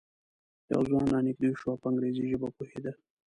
یو ځوان را نږدې شو او په انګریزي ژبه پوهېده.